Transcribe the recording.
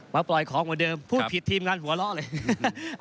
มาปล่อยของเหมือนเดิมพูดผิดทีมงานหัวเราะเลย